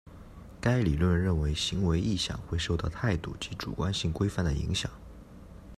该理论认为行为意向会受到态度及主观性规范的影响。